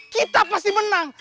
kita pasti menang